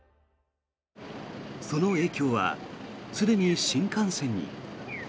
その影響はすでに新幹線に。